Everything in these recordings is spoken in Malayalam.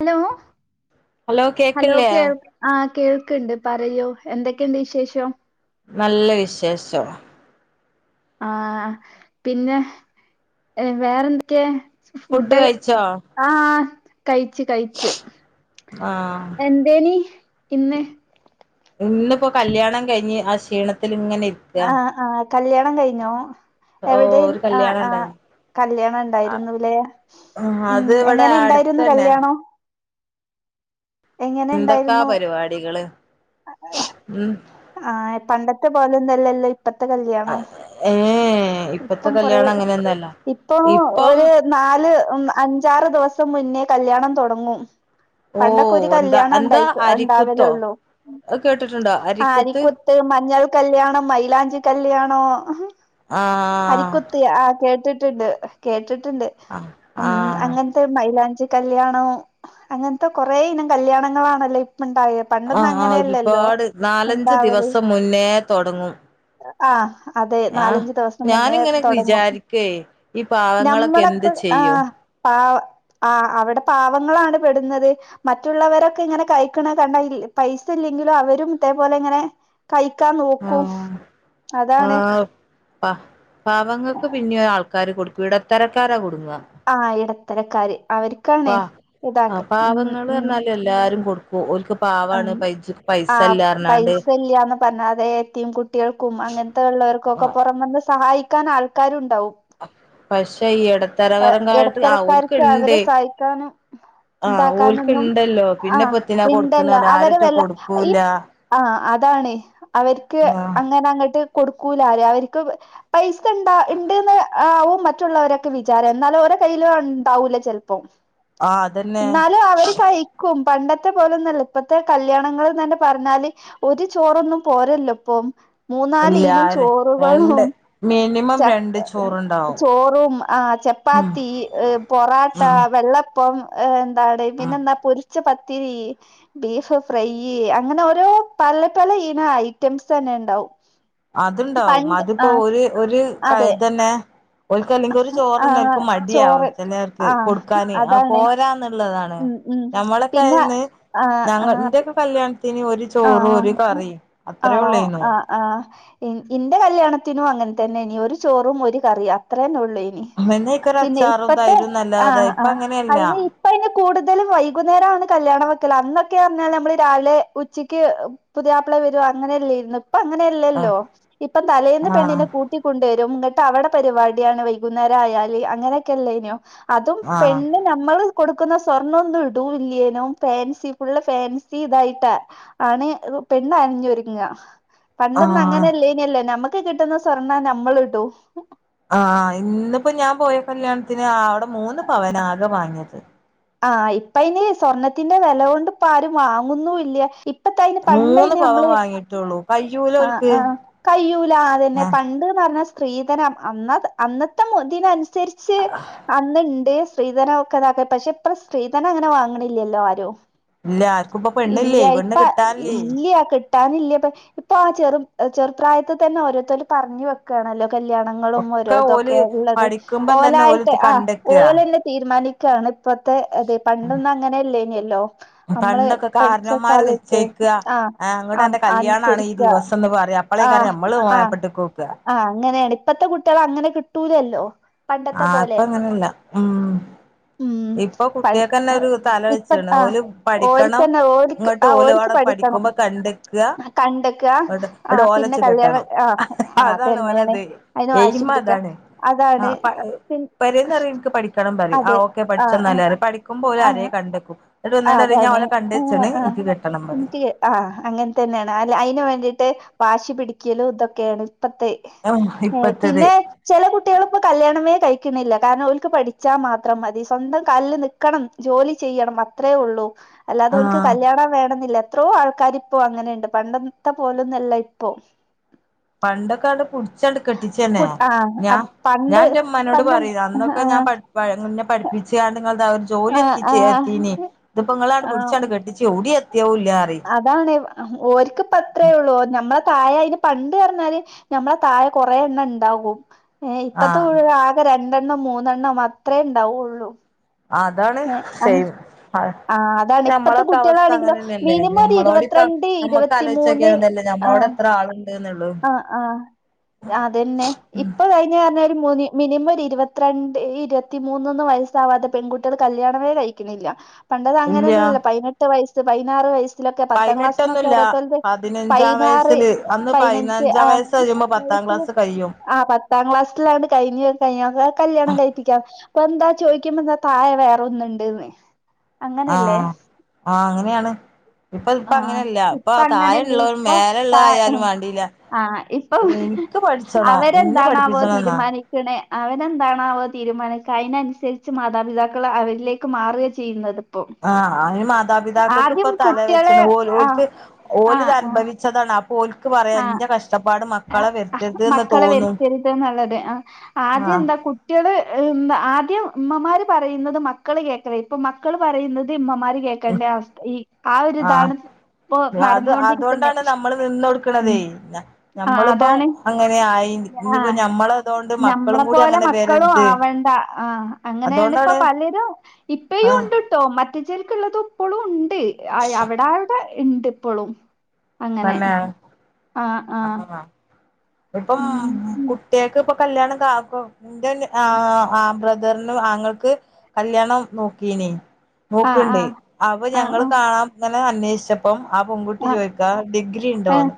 ഹലോ ഹലോ കേൾ ആഹ് കേൾക്ണ്ട് പറയൂ എന്തൊക്കെയുണ്ട് വിശേഷം? നല്ല വിശേഷം ആഹ് പിന്നെ വേറെന്തൊക്കെ ഫുഡ ഫുഡ് കഴിച്ചോ ആഹ് കഴിച് കഴിച്ച് ആഹ് എ ദേനി ഇന്ന് ഇന്നിപ്പോ കല്യാണം കഴിഞ്ഞ് ആ ക്ഷീണത്തിൽ ഇങ്ങനെ ഇരിക്ക ആഹ് ആഹ് കല്യാണം കഴിഞ്ഞോ ഓ എവിടെയും ഒരു ആഹ് കല്യാണം ആഹ് ഉണ്ടായിന് കല്യാണം ഉണ്ടായിരുന്നു ല്ലേ ഉം എങ്ങനെ ഉണ്ടായിരുന്നു കല്യാണോ ന്തൊക്കാ ഉണ്ടായിരുന്നു പരിപാടികള് ഉം ആഹ് പണ്ടത്തെ പോലെന്നല്ലല്ലോ പ്പത്തെ കല്യാണോ ഏ ഇപ്പത്തെ ഇപ്പം കൊറ കല്യാണം അങ്ങനെയൊന്നല്ല ഇപ്പൊ ഇപ്പം ഒരു നാല് അഞ്ചാറ് ദിവസം മുന്നേ കല്യാണം തുടങ്ങും ഓ പണ്ടൊക്കെ ഒരു എന്താ കല്യാണം എന്താ ഉണ്ടായി ഉണ്ടാവലേ അരിക്കുത്തോ ഉള്ളൂ അത് കേട്ടിട്ടുണ്ടോ അരിക്കുത്ത് ത്ത് മഞ്ഞൾ കല്യാണം മൈയിലാഞ്ചി കല്യാണോ ആഹ് ആഹ് ത്ത് ആഹ് കേട്ടിട്ടുണ്ട് കേട്ടിട്ടുണ്ട് ഉം ആഹ് അങ്ങന ത്ത് മൈലാഞ്ചി കല്യാണം അങ്ങനത്തെ കൊറേ ഇനം കല്യാണങ്ങളാണല്ലോ ഇപ്പ ഇണ്ടായ പണ്ടൊന്നും ആഹ് ആഹ് അങ്ങനെയല്ലല്ലോ ഒരുപാട് നാലഞ്ച് ദിവസം മുന്നേ തുടങ്ങും ആഹ് അതെ നാലഞ്ചു ദിവസം മുന്നേ ഞാനിങ്ങനെ തുൊടങ്ങും വിചാരിക്കേ ഈ പാവങ്ങളൊക്കെ എന്ത് നമ്മളൊക്കെ ചെയ്യും ആഹ് പാ ആഹ് അവിടെ പാവങ്ങളാണ് പെടുന്നത് മറ്റുള്ളവരൊക്കെ ഇങ്ങനെ കഴിക്കണ കണ്ട പൈസ ഇല്ലെങ്കിലും അവരും തേപോലെ ങ്ങനെ കഴിക്കാൻ നോക്കും ആഹ് അതാണ് ആഹ് പ പാവങ്ങൾക്ക് പിന്നെ ആൾക്കാര് കൊടുക്കും ഇടത്തരക്കാരാ കൊടുങ്ങുക ആഹ് ഇടത്തരക്കാര് അവർക്കാണേ ആഹ് ഇതാക്ക ഉം പാവങ്ങള് ഉം പറഞ്ഞാല് എല്ലാരും കൊടുക്കും ക്കു ഓൽക്ക് പാ പാവാണ് ആഹ് പൈ ആഹ് പൈസല്ല പൈസ ഇല്ലന്ന് പറഞ്ഞാതെ എത്തിയും കുട്ടികൾക്കും അങ്ങനത്തെ ഉള്ളവർക്കും ഒക്കെ ആഹ് പുറം വന്ന് സഹായിക്കാൻ ആൾക്ക കരുണ്ടാവും പക്ഷെ ഈ ഇടത്തരകരംകായിട്ട് ആഹ് ഇടത്തരക്കാർക്ക് ഓൽക്ക്ണ്ട് അവരെ സഹായിക്കാനും ആഹ് ഇണ്ടാക്കാനൊന്നും ഓൽക്ക്ണ്ടല്ലോ ആഹ് പിന്നെപ്പെത്തിനാ ഇണ്ടല്ലോ കൊടുക്ക്ണറിയ അവരെ ആരൊറ്റ വല്ല ഈ കൊടുക്കൂല ആഹ് അതാണ് അവർക്ക് ആഹ് അങ്ങനെ അങ്ങോട്ട് കൊടുക്കൂലര അവർക്ക് പൈസ ണ്ട്ന്ന് ആവും മറ്റുള്ളവരൊക്കെ വിചാരം എന്നാലും ഓരോ കയ്യിലും ഉണ്ടാവൂല ചെിലപ്പോം ആ അതന്നെ എന്നാലും അവര് കഴിക്കും പണ്ടത്തെ പോലെൊന്നല്ല ഇപ്പത്തെ കല്യാണങ്ങളന്ന് തന്നെ പറഞ്ഞാല് ഒരു ചോറൊന്നും പോരല്ലോ ഇപ്പം. മൂന്നാല് ഇനം എല്ലാരും രണ്ട് ചോറുകളും മിനിമം ചപ് രണ്ട് ചോറുണ്ടാവും ചോറും ആഹ് ച ഉം പ്പാത്തി, പൊറോട്ട, ഉം വെള്ളപ്പം എന്താവടെ ഉം പിന്നെ എന്താ പൊരിച്ച പത്തിരി ബീഫ് ഫ്രൈ. അങ്ങനെ ഓരോ പല പല ഇന ഐറ്റംസ് തന്നെ ഉണ്ടാവും. അതുണ്ടാവും. പണ്ട് ആ അതിപ്പോ ഒരു ഒരു അതെ കൈതന്നെ ഓൽക്ക് അല്ലെങ്കിൽഒരു ആ ചോറ്ന്നെ ഓര്ക്ക് മടിയാവും ചോറ് ചിലർക്ക് ആ കൊടുക്കാന്. അത് അതാണ് പോരാന്നുള്ളതാണ്. ഞമ്മളൊക്കെ അയന്ന് ആഹ് ആഹ് കല്യാണത്തിന് ഒരു ചോറ് ഒരു കറീം അത്രേ ഉള്ളേർന്ന്. ആഹ്. ഇ ഇന്റെ കല്യാണത്തിനും അങ്ങൻ തന്നെനി. ഒരു ചോറും ഒരു കറീം. അത്ര ന്നെ ഉള്ളേ. നി. പിന്നെയ്ക്കൊരു പിന്നെ അച്ചാറും ഇപ്പത്തെ തൈരും എന്നല്ലാതെ ആഹ് ഇപ്പ ആഹ് അങ്ങനെയല്ല അയിന് ഇപ്പ അയിന് കൂടുതലും വൈകുന്നേരം ആണ് കല്യാണം വെക്കല്. അന്നൊക്കെ പർഞ്ഞാല് നമ്മള് രാവിലെ ഉ ച്ചയ്ക്ക് പുതിയാപ്ല വരാ. അങ്ങനെല്ലേർന്നു. ഇപ്പ ആ അങ്ങനെയല്ലല്ലോ. ഇപ്പം തലേന്ന് പെണ്ണിനെ കൂ ട്ടി കൊണ്ടെരും. ന്നട്ട് അവിടെ പരിപാടിയാണ് വൈകുന്നേരയാല്. അങ്ങനെയൊക്കെ അല്ലേനു. അതും ആ പെണ്ണ് നമ്മള് കൊടുക്കുന്ന സ്വർണ്ണന്നും ഇടൂല്ലേനും ഫാൻസി. ഫുള്ള് ഫാൻസി ഇതായിട്ടാ ആണ് പെണ്ണ് അണിഞ്ഞൊരുങ്ങാ. ആ പണ്ടൊന്നും ആ അങ്ങനല്ലേ ന്യല്ലേ. നമ്മുക്ക് കിട്ടുന്ന സ്വർണ്ണം നമ്മള്ടും. ആഹ് ഇന്നിപ്പോ ഞാൻ പോയ കല്യാണത്തിന് അവിടെ മൂന്ന് പവനാ ആകെ വാങ്ങിയത്. ആഹ് ഇപ്പ അയ്ന് സ്വർണ്ണത്തിന്റെ വേലകൊണ്ട് ഇപ്പ ആരും വാങ്ങുന്നൂല്യ. ഇ മൂന്ന് പവൻ വാങ്ങീട്ടുള്ളൂ. ആഹ് ആഹ് കയ്യൂല അതന്നെ. ഏഹ് പണ്ട്ന്ന് പർഞ്ഞ സ്ത്രീധനം അന്ന അന്നത്തെ തിനനുസരിച്ച് അന്ന്ണ്ട്. സ്ത്രീധനം ഒക്കെ ഇതാക്ക. പക്ഷെ ഇപ്പ സ്ത്രീധനം അങ്ങനെ വാങ്ങണില്ലല്ലോ ആരും. ഇല്ല ആർക്കും ഇപ്പൊ പെണ്ണില്ലേ ഇല്യ. പെണ്ണ് ഇപ്പ കിട്ടാനില്ലേ ഇല്യ. കി ട്ടാനില്യ. പ്പ ഇപ്പൊ ആഹ് ചെറു ചെറുപ്രായത്തിൽ തന്നെ ഓരോരുത്തരും പറഞ്ഞു വെക്കാണല്ലോ. കല്യാണങ്ങളും ഓരോ ഒക്കെ ഓല് തൊക്കെ ള്ളത്. പഠിക്കുമ്പം തന്നെ ഓലായിട്ട് ഓലിത് ആഹ് കണ്ടെക്കുക ഓലന്നെ തീരുമാനിക്കാണ് ഇപ്പോത്തെ ഇത്. പണ്ടൊന്നും അങ്ങനെ ല്ലേന്യല്ലോ. നമ്മള് പണ്ടൊക്കെ പഠിച്ച കാരണവന്മാര് കാലത്ത് നിശ്ചയിക്കുക ആഹ് ആഹ് അങ്ങോട്ടന്റെ കല്യാണാണ് ഈ ദിവസംന്ന് പറയും. അപ്പളെ കാര്യം നമ്മള് മേപ്പെട്ടേക് നോക്കാ. ആഹ് അങ്ങനെണ്. ഇപ്പത്തെ കുട്ടിളെ അങ്ങനെ കിട്ടൂലല്ലോ. പണ്ടത്തെ ആഹ് പ്പ പോലെ അങ്ങനല്ല. ഉം ഉം ഇപ്പൊ പ കുട്യേക്കന്നെ ഒരു തല ഇപ്പ വെച്ചേണ്. ആ ഓല് പഠിക്കണം ഓര്ക്കന്നെ ഇങ്ങ ഓര്ക്ക് ട്ട് ആ ഓല് ഓര്ക്ക് അവടെ പഠിക്കണം പഠിക്കുമ്പോ കണ്ട്ക്ക കണ്ടെക്ക ആ അവടെ ഓലെ പിന്നെ വെച്ച് കല്യാണം കെട്ടണം. ആ അതാണ് ഓലെ അതന്നെയാണ് ഇത്. അതിന് വാശി എയിമ് പിടിക്ക അതാണ്. അതാണ് ആഹ് പ പി പെരേന്ന് ന്നറിയും എനിക്ക് പഠിക്കണം പറയും. അതെ ആഹ് ഓക്കെ ആ പഠിച്ചോ ആ ന്നാല് പറയും. പഠിക്കുമ്പോ ഓല് ആരേയും കണ്ട്ക്കും. ന്നട്ട് വന്നു ആ കാണ്ട് പറയും. ഞാൻ അതാണ് ഓലെ കണ്ട് ച്ചേണ്. എനിക്ക് കെട്ടണം പറയും. ആഹ് അങ്ങൻ തന്നെണ്. അല്ല അയ്ന് വേണ്ടിട്ട് വാശി പിടിക്കലും ഇതൊക്കെയാണ് ഇപ്പത്തെ. ഏഹ് ഇപ്പത്തത് പിന്നെ ചിലേ കുട്ടികള് ഇപ്പ കല്യാണമേ കഴിക്കുന്നില്ല. കാരണം ഓൽക്ക് പഠിച്ചാൽ മാത്രം മതി. സ്വന്തം കാലില് നി ക്കണം ജോലി ചെയ്യണം അത്രേ ഉള്ളൂ. അല്ലാതെ ഓൽക്ക് ആഹ് കല്യാണം വേണൊന്നില്ല. എത്രോ ആൾക്കാര് ഇപ്പോ അങ്ങനെയുണ്ട്. പണ്ടത്തെ പോലൊന്നല്ല ഇപ്പോ. പണ്ടൊക്കാണ്ട് പുടിച്ചാണ്ട് കെട്ടിച്ചന്നെ. ഫുഡ് ആഹ് ഞാ അപ് പണ്ട് ഞാൻ ന്റെ ഉമ്മാനോട് പണ്ടെന്താ പറയും അന്നൊക്കെ ഞാൻ ആഹ് പ പ എന്നെ പഠിപ്പിച്ചിയാണ്ട് ഒരു ജോലി ആഹ് എത്തിച്ചേ എത്തീനി. ആഹ് ഇതിപ്പോ നിങ്ങളാണ്ട് ആഹ് പിടിച്ചാണ്ട് കെട്ടി ച്ച് എവുടിഎത്തിയതൂല്ല പറയും. അതാണ്. ഓര്ക്ക് പ്പ അത്രേ ള്ളൂ. നമ്മള് തായെ ആയീന്ന് പണ്ട് പറഞ്ഞാല് ഞമ്മളെ തായെ കൊറെ ണ്ണം ണ്ടാവും. ഏഹ് ഇപ്പത്തെ ആഹ് വീ ആകെ രണ്ടെണ്ണം മൂന്നെണ്ണം അത്രേ ണ്ടാവുള്ളൂ. അതാണ്. സെയിം. അതെ ആഹ് അതാണ് ഇപ്പത്തെ ഞമ്മളൊക്കെ അവസ്ഥ കുട്ടികളാണെങ്കിലോ അങ്ങനെന്നെല്ലേ. മിനിമം ഒരു ഞമ്മളോടിം പ്പം ഇരുപത്തിരണ്ട് ഞമ്മക്ക് ഇരുപത്തിമൂന്ന് ആലോയിച്ചോക്ക്യാമതില്ലോ ഞമ്മളോടെ ആഹ് എത്ര ആള്ണ്ട്ന്ന്ള്ള. ആഹ് ആഹ് അതന്നെ. ഇപ്പവയ് ഞ് പറഞ്ഞല് ഒര് മുനി മിനിമം ഒര് ഇരുവത്ത്രണ്ട്, ഇരുവത്തി മൂന്നൊന്ന് വയസ്സാവാതെ പെൺകുട്യള് കല്യാണമേ കഴി ക്ക്‌ണില്ല. പണ്ടത് ഇല്ല അങ്ങനെല്ലല്ലോ. പയിനെട്ട് വയസ്സ് പയിനാറ് വയസ്സ് സിലൊക്കെ പത്താം ക്ലാസ്സ്ന്നൊക്കെ പതിനെട്ടൊന്നുല്ല ഓരോത്തരത് പതിനഞ്ചാം പയിനാറ് വയസ്സില് അന്ന് പയിനഞ്ച് പതിനഞ്ചാം വയസ്സ് ആഹ് കഴിയുമ്പോ പത്താം ക്ലാസ് [unintelligible] കഴിയും ആഹ് പത്താം ക്ലാസ്സിലായോണ്ട് കയിഞ്ഞ് കഴിഞ്ഞൊക്കെ കല്ല്യാണം കഴിപ്പിക്കാം ഇപ്പെന്താ ചോയിക്കുമ്പെന്താ തായെ വേറെ ഒന്ന്ണ്ട്ന്ന് ആഹ് ആഹ് അങ്ങനെയാണ് ഇപ്പത് ഇപ്പ ആ അങ്ങനെല്ല ഇപ്പ അങ്ങനല്ലേ തായെള്ളോളും ഇപ്പൊ താ മേലെള്ളതായാലും വേണ്ടീലാ ആഹ് ഇപ്പം [unintelligible] ഇൻക്ക് പഠിച്ചണം ഇന്നെ പഠിപ്പിച്ചണന്നാ ക്ക്‌ണ് അവനെന്താണാവോ തീരുമാനിക്കാ അയിനന്സരിച്ച് മാതാപിതാക്കൾ അവരിലേക്ക് മാറാ ചെയ്യ്ന്നത് ആഹ് അയിന് മാതാപിതാക്കൾക്ക് ഇപ്പൊ തല കുട്ടികളെ വെച്ചണു ഓല് ആഹ് ഓൽക്ക് ആഹ് ഓലിത് ആഹ് അനുഭവി ച്ചതാണ് അപ്പോ ഓൽക്ക് പറയാ ഇന്റെ കഷ്ടപ്പാട് മക് ആഹ് മക്കള് വെര്ത്തര്തെന്ന്ള്ളത് ആഹ് ആദ്യം ആഹ് എന്താ കുട് ട്ട്യേള് ഏഹ് എന്താ ആദ്യം ഉമ്മമാര് പറയുന്നത് മക്കള് കേൾക്കലേന് ഇപ്പൊ മക്കള് പറയുന്നത് ഇമ്മമാര് കേ ക്കേണ്ടേ അവസ്ഥ ഈ ആ ആഹ് ഒര്താണ് ഇപ്പോ അത് നടന്നോണ്ടിരിക്ക്‌ന്നേ അതുകൊണ്ടാണ് നമ്മള് നിന്ന് ഉം കൊടുക്കണതേ ആഹ് ഞമ്മളിപ്പോ അതാണ് അങ്ങനെ ആയി ഇനിയിപ്പോ ആഹ് ഞമ്മളതുകൊണ്ട് ഞമ്മളെ മക്കളും കൂടി പോലെ അങ്ങനെ മക്കളും വരരുത് ആവണ്ടാ ആഹ് അങ്ങനെയാണിപ്പ അതുകൊണ്ടാണ് പലരും ഇപ്പയും ആഹ് ഇണ്ട് ട്ടോ മറ്റ്ച്ചേൽക്ക്‌ള്ളതും ഇപ്പളുണ്ട് ആഹ് അവിടെ അവിടെ ഇണ്ട് ഇപ്പളും അങ്ങനെ തന്നെ ആഹ് ആഹ് ഇപ്പം ഉം കുട്ട്യേക്ക്പ്പം കല്ല്യാണം കാക്കു ഇന്റെ ആഹ് ആഹ് ബ്രദറിന് ആങ്ങളക്ക് കല്ല്യാണം നോക്കീന് ആഹ് നോക്ക്‌ണ്ട് ആഹ് അപ്പ ആഹ് ഞങ്ങള് ആഹ് കാണാങ്ങനേ അന്വേഷിച്ച പ്പം ആ പെൺകുട്ടി ആഹ് ചോയിക്കാ ഡിഗ്രി ഏഹ് ഇണ്ടോന്ന്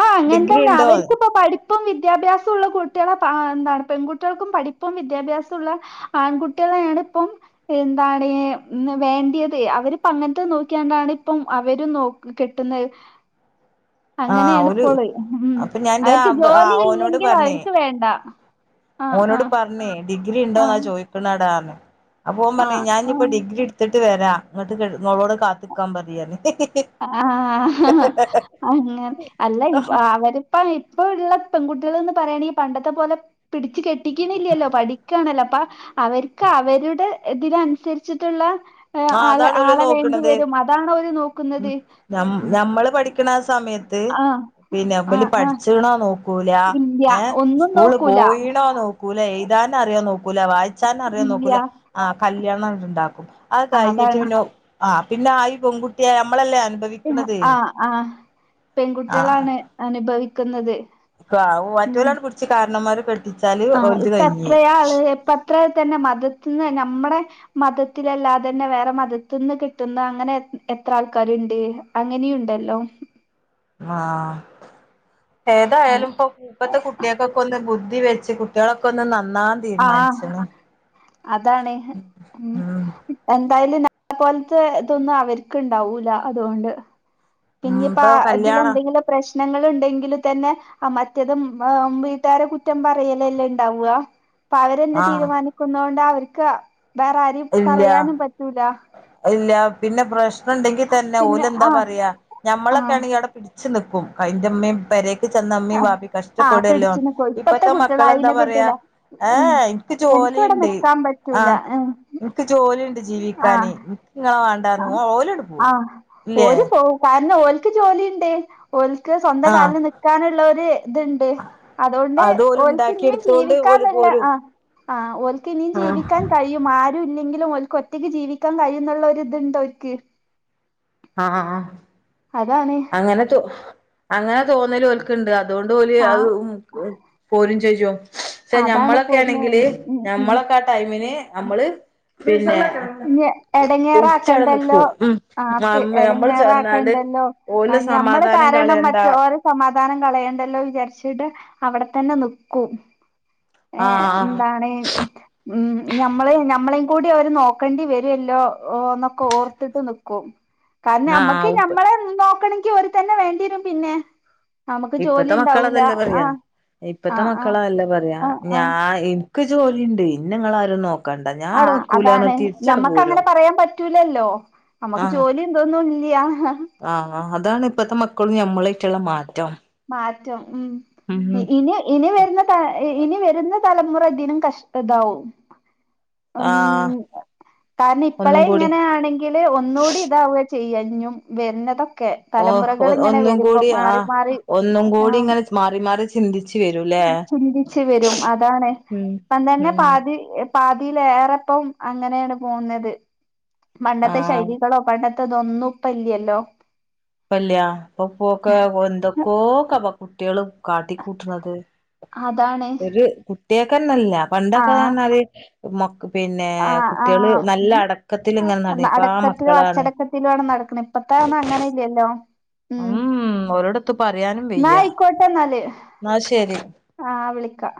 ആഹ് അങ്ങൻതെന്നാ അവരിക്കിപ്പ പഠി പ്പും വിദ്യാഭ്യാസോള്ള കുട്ട്യേളെ പാ എന്താണ് പെൺകുട്ട്യേൾക്കും പഠിപ്പും വിദ്യാഭ്യാസുള്ള ആൺകുട്ട്യേളെയാണ്പ്പം എന്താണ് ഇന്ന് വേണ്ടിയത് അവര്പ്പ അങ്ങൻത്തെ നോക്കിയാണ്ടാണ് ഇപ്പം അവരും നോ കെട്ടുന്നെ ആ ഓല് അങ്ങനേണ്പ്പള് ഉം അപ്പൊ ഞാൻ എന്റെ അവര്ക്ക് ആ ജോലി ഓനോട് ഇല്ലെങ്കിൽ പറഞ്ഞേ അവര്ക്ക് വേണ്ടാ ഓനോട് പറഞ്ഞ് ഡിഗ്രി ഇണ്ടോന്നാ ചോയിക്ക്‌ണടാർഞ്ഞ് അപ്പ ഓൻ പറഞ്ഞ് ആഹ് ഞാൻ ഇനി ഇപ്പൊ ഡിഗ്രി എട്ത്ത്ട്ട് വെരാ ഇങ്ങട്ട് കെട്ട്ന്നോളോടത് കാത്ത്ക്കാൻ പറയീയർഞ്ഞ് ആഹ് അങ്ങെനെ അല്ല ഈ അവര് ഇപ്പ ഇള്ള പെൺകുട്ട്യേള്ന്ന് പറയാണെ പണ്ടത്തെ പോലെ പിടിച്ച് കെട്ടിക്ക‌ണില്ലല്ലോ പഠിക്കാണല്ലോ അപ്പാ അവര്ക്ക് അവരുടെ ഇതിനന്സരിച്ചിട്ട്ള്ള ഏഹ് ആ ആളെ ആളെ വേണ്ടി വരും അതാണോര് നോ ഉം ഞമ് ഞമ്മള് പഠിക്ക്‌ണാ ആ സമയത്ത് ആഹ് പിന്നെ ഇബല് ആഹ് ആഹ് പഠിച്ച്ക്കണോ നോ ക്കൂലാ ഇല്ല ഏഹ് ഒന്നും സ്കൂള് നോക്കൂല പോയീണോ നോ ക്കൂലാ എയ്താനറിയോ നോക്കൂലാ വായിച്ചാനറിയോ ഇല്ല നോക്കൂലാ ആഹ് കല്ല്യാണാണ്ട്ണ്ടാക്കും അത് കയിഞ്ഞിറ്റ് അതാണ് പിന്നെ ആഹ് പിന്നെ ആയി ഈ പെൺകുട്ട്യേ നമ്മളല്ലേ അനുഭവി ആഹ് ആഹ് പെൺകുട്ട്യേളാണ് അനുഭവിക്ക്ന്നത് ക്കാ ഓ മറ്റോലാണ്ട് പിടിച്ച് കാരണമ്മാര് കെട് ആഹ് ഇപ്പ എത്രയാള് ഇപ്പ എത്ര തന്നെ മതത്ത്ന്ന് നമ്മടെ മതത്തിലല്ലാതെന്നെ വേറെ മതത്ത്ന്ന് കെട്ട്ന്ന അങ്ങനെ എ എത്ര ആൾക്കാര്ണ്ട് അങ്ങനിയുണ്ടല്ലോ ആഹ് ഏതായാലും ഇപ്പൊ ഇപ്പത്തെ കുട്ട്യേ മക്കക്കൊന്ന് ബുദ്ധി വെച്ച് കുട്ടികളൊക്കെ ഒന്ന് നന്നാവാൻ ആ തീരുമാനിച്ചിണ് അതാണ് ഉം എന്തായാലും നമ്മളെ പോലത്തെ ഇതൊന്നും അവർക്ക് ഇണ്ടാവൂല അതുകൊണ്ട് ഉം പിന്നയിപ്പ ഇപ്പൊ ഇതില് കല്യാണം എന്തെങ്കിലും പ്രശ്നങ്ങൾ ഉണ്ടെങ്കിൽ തന്നെ ആ മറ്റേതും വീട്ടുകാരെ കുറ്റം പറയലല്ലേ ഇണ്ടാവ ഇപ്പ അവരെന്നെ ആ തീരുമാനിക്കുന്ന കൊണ്ട് അവർക്ക് വേറെ ആരെയും ഇല്ല പറയാനും പറ്റൂല ഇല്ല പിന്നെ പ്രശ്നം ഉണ്ടെങ്കി തന്നെ പിന്നെ ഓലെന്താ ആഹ് പറയാ ഞമ്മളൊക്കെ ആഹ് ആണെങ്കി അവിടെ പിടിച്ചു നിക്കും അയിന്റെമ്മയും [unintelligible] വീട്ടിച്ചെന്നാ ഉമ്മേം ആഹ് വാപ്പേം ആഹ് കഷ്ടപ്പെടൊല്ലോ പിടിച്ച്നിക്കും ഇപ്പത്തെ കുട്ടികള് മക്കളെന്താ അയിന് പറയാ കിട്ടൂല ഉം ഏഹ് എനിക്ക് എനിക്കിവിടെ ജോലിണ്ട് നിക്കാൻ പറ്റൂല ആഹ് ഉം എനിക്ക് ജോലിയുണ്ട് ജീവിക്കാന് ആഹ് എനിക്കിങ്ങളെ വേണ്ടാന്ന് ഓലങ്ങട് പോവും ആഹ് ഇല്ലേ ഓര് പോവും കാരണം ഓല്ക്ക് ജോലിണ്ട് ഓല്ക്ക് സ്വന്തം ആ കാലിൽ നിൽക്കാനുള്ള ഒരു ഇത്ണ്ട് അതുകൊണ്ട് അത് ഓല് ഓല്ക്ക് ഉണ്ടാക്കി ഇനിയും എടുത്തോണ്ട് ഓല് ജീവിക്കാന്ന്ള്ള പോരും ആഹ് ആ ഓൽക്ക് ഇനിയും ആ ജീവിക്കാൻ കഴിയും ആരും ഇല്ലെങ്കിലും ഓല്ക്ക് ഒറ്റയ്ക്ക് ജീവിക്കാൻ കഴിയും എന്നുള്ള ഒരിത്ണ്ട് ഓരിക്ക് ആഹ് ഹാഹ് അതാണ് അങ്ങനെ അങ്ങനെ തോന്നല് ഓല്ക്ക്ണ്ട് അതുകൊണ്ട് ഓല് ആഹ് പോരും ചെജും പക്ഷെ അതാണ് ഞമ്മളൊക്കെ പോര്ന്നെ ആണെങ്കില് ഉം ഉം ഞമ്മളൊക്കെ ആ ടൈമിന് അമ്മള് പിന്നെ ഇനി പിടിച്ചവിട എടങ്ങേറാക്കണ്ടല്ലോ നിക്കും അമ്മ നമ്മള് ചെന്നാണ്ട് ലോ ഓലെ ഞമ്മള് സമാധാനം കാരണം കളയണ്ട മറ്റോ മറ്റൊള്ളോര സമാധാനം കളയണ്ടല്ലോ വിചാരിച്ചിട്ട് അവിടെത്തന്നെ നിക്കും ഏഹ് ആഹ് എന്താണ് ഉം ഞമ്മളെ ഞമ്മളേയും കൂടി ഓര് നോക്കേണ്ടി വരുവല്ലോ എന്നോക്കെ ഓർത്തിട്ട് നിക്കും [unintelligible] കാരണം ആഹ് നമ്മക്ക് ഉപ്പ് ഞമ്മളെ നോക്കണങ്കി ഓര് തന്നെ വേണ്ടിരും പിന്നെ നമുക്ക് ജോലി ഇപ്പത്തെ മക്കള് ഉണ്ടാവൂല അതെല്ല പറയാ ആഹ് ഇപ്പത്തെ ആഹ് ആഹ് മക്കളതല്ല പറയാ ആഹ് ആഹ് ഞാൻ ഇൻക്ക് ജോലിയുണ്ട് ഇന്നങ്ങള് ആരും നോ ആഹ് അതാണ് ഞമ്മക്കങ്ങനെ പോരും പറയാൻ പറ്റ റ്റൂലല്ലോ നമ്മുക്ക് ആഹ് ജോലി ഇതൊന്നുല്യ ആഹ് അതാണ് ഇപ്പത്തെ മക്കളും ഞമ്മളായിട്ടുള്ള മാറ്റം മാറ്റം ഉം ഉം ഇനി ഇനി വരുന്ന ഇനി വരുന്ന തലമുറ ഇതിനും കഷ്ടതാവും ഉം ആഹ് കാരണം ഇപ്പളെ ഒന്നും കൂടി ഇങ്ങനെയാണെങ്കി ല് ഒന്നുകൂടി ഇതാവ ചെയ്യഞ്ഞും വരുന്നതൊക്കെ ഓ തലമുറകൾ ഇങ്ങനെ ഒന്നും വരുമ്പോ കൂടി മാറി ആഹ് മാറി ഒന്നും കൂടി ആഹ് ഇങ്ങനെ മാറി മാറി ചിന്തിച്ച് വരും ല്ലേ അന്നെന്നെ പാതി പാതിലേറെപ്പം അങ്ങനെയാണ് പോകുന്നത് പണ്ടത്തെ ആഹ് ശൈലികളോ പണ്ടത്തെ അതൊന്നും ഇപ്പ ഇല്യല്ലോ ഇപ്പല്ലയാ അപ്പൊ പോക്കെ എന്തൊക്കോക്ക പ്പ കുട്ടികള് കാട്ടിക്കൂട്ടണത് അതാണ് ഒരു കുട്ടിയക്കെന്നെല്ല പണ്ടൊക്കെന്ന് ആഹ് പറഞ്ഞാല് മക്ക് പിന്നെ ആഹ് കുട്ടികള് ആഹ് നല്ല അടക്കത്തിൽ ഇങ്ങനെ നടന്ന് ഇപ്പൊ ആ അടക്കത്തിലോ മക്കളാണ് അച്ചടക്കത്തിലോ ആണ് നടക്കണെ ഇപ്പത്തെ പറഞ്ഞ അങ്ങനെ ഇല്ലല്ലോ ഉം ഉം ഓരോടത്ത് പറയാനും എന്നാ വയ്യ ആയിക്കോട്ടെ എന്നാല് എന്ന ശരി ആഹ് വിളിക്കാം